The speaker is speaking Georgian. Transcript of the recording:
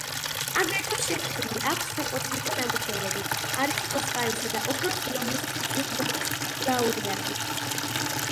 აგრეთვე შექმნილი აქვს საკონცერტო ნამუშევრები არის ოსკარისა და ოქროს გლობუსის ჯილდოების ლაურეატი.